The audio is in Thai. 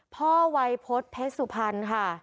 พ่อวัยพจน์เพศสุพรรณค่ะ